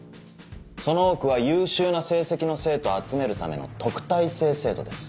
その多くは優秀な成績の生徒を集めるための特待生制度です。